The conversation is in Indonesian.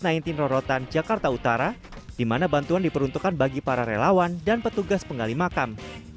covid sembilan belas rorotan jakarta utara di mana bantuan diperuntukkan bagi para relawan dan petugas penggali makam